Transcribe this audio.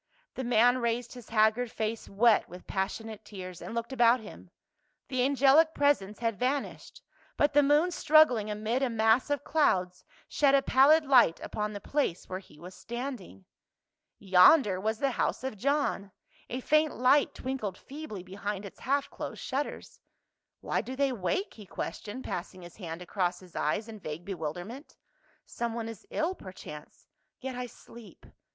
The man raised his haggard face wet with passionate tears and looked about him ; the angelic presence had vanished, but the moon strug gling amid a mass of clouds shed a pallid light upon the place where he was standing. Yonder was the house of John, a faint light twinkled feebly behind its half closed shutters. " Why do they wake?" he questioned, passing his hand across his eyes in vague bewilderment. " Someone is ill, per chance. Yet I sleep.